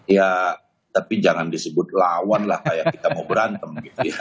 ya tapi jangan disebut lawan lah kayak kita mau berantem gitu ya